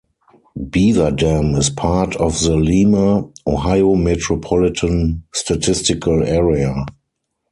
Beaverdam is part of the Lima, Ohio Metropolitan Statistical Area.